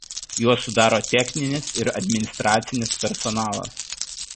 Juos sudaro techninis ir administracinis personalas.